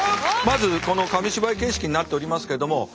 まずこの紙芝居形式になっておりますけども。